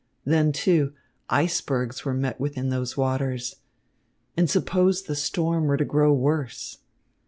Then, too, icebergs were met with in those waters. And suppose the storm were to grow worse.